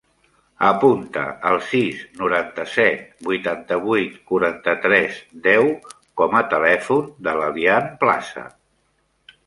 Apunta el sis, noranta-set, vuitanta-vuit, quaranta-tres, deu com a telèfon de l'Elian Plaza.